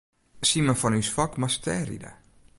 Simen fan ús Fok moast dêr ride.